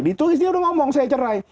ditulis dia udah ngomong saya cerai